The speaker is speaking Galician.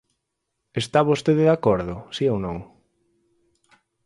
¿Está vostede de acordo?, ¿si ou non?